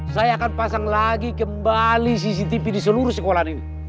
saya akan pasang lagi kembali cctv di seluruh sekolah ini